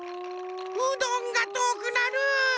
うどんがとおくなる。